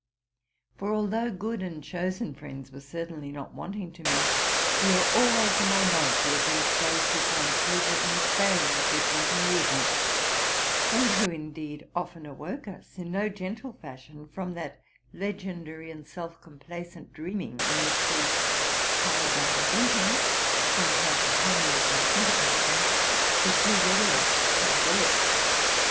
For, although good and chosen friends were certainly not wanting to me, we were always a minority against those who found pleasure in assailing us with wanton rudeness, and who indeed often awoke us in no gentle fashion from that legendary and _ self complacent dreaming in which we —I by inventing, and my companions by sympathizing — were too readily absorbed.